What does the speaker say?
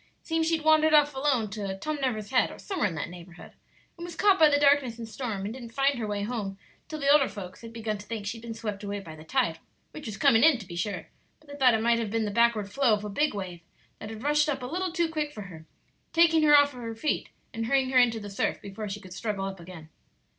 Seems she'd wandered off alone to Tom Never's Head, or somewhere in that neighborhood, and was caught by the darkness and storm, and didn't find her way home till the older folks had begun to think she'd been swept away by the tide, which was coming in, to be sure; but they thought it might have been the backward flow of a big wave that had rushed up a little too quick for her, taking her off her feet and hurrying her into the surf before she could struggle up again."